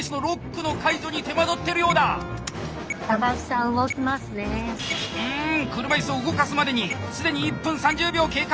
ん車いすを動かすまでにすでに１分３０秒経過！